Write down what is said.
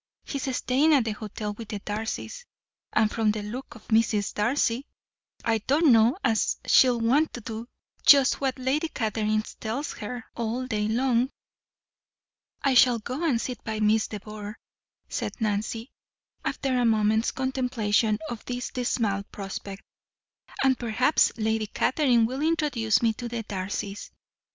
He's staying at the hotel with the Darcys, and from the look of Mrs. Darcy I don't know as she'll want to do just what Lady Catherine tells her, all day long." "I shall go and sit by Miss de Bourgh," said Nancy, after a moment's contemplation of this dismal prospect, "and perhaps Lady Catherine will introduce me to the Darcys.